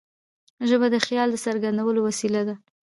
ژبه د خیال د څرګندولو وسیله ده.